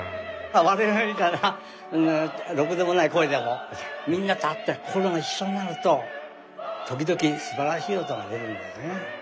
我々みたいなろくでもない声でもみんなと合って心が一緒になると時々すばらしい音が出るんだよね。